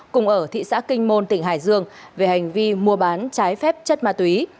cùng ở thị xã kinh môn tỉnh hải dương về hành vi mua bán trái phép chất ma túy